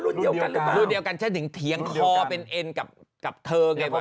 รุ่นเดียวกันฉันถึงเถียงคอเป็นเอ็นกับเธอ